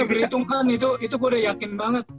perhitungkan itu gue udah yakin banget